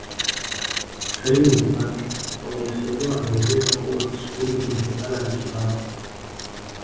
Kiswahili ni Kibantu Wanahistoria wanaeleza kuwa Kiswahili kimetokana na Kibantu